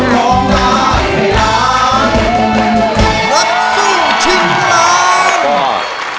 รับสู้ชินร้อง